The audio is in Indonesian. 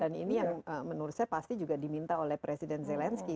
dan ini yang menurut saya pasti juga diminta oleh presiden zelensky